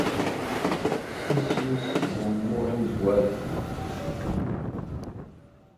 Kkes isem-is seg umuɣ imazwaren.